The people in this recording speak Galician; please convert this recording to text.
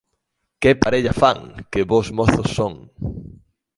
Que parella fan!, que bos mozos son!